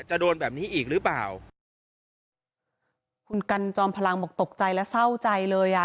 โดนแบบนี้อีกหรือเปล่าคุณกันจอมพลังบอกตกใจและเศร้าใจเลยอ่ะ